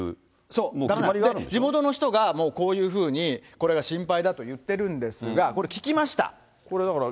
そう、だから地元の人が、もうこういうふうにこれが心配だと言ってるんですが、これ、聞きました。